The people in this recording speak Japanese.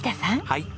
はい。